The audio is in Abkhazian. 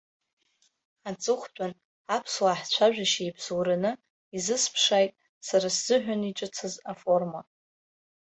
Аҵыхәтәан, аԥсуаа ҳцәажәашьа иабзоураны, иазысԥшааит, сара сзыҳәан иҿыцӡаз аформа.